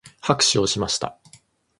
拍手をしました。